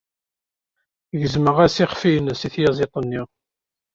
Gezmeɣ-as iɣef-nnes i tyaziḍt-nni.